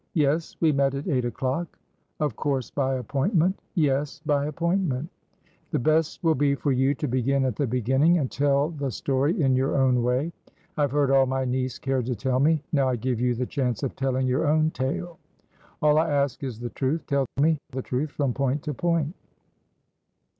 "Yes; we met at eight o'clock." "Of course by appointment." "Yes, by appointment." "The best will be for you to begin at the beginning, and tell the story in your own way. I've heard all my niece cared to tell me; now I give you the chance of telling your own tale. All I ask is the truth. Tell me the truth, from point to point."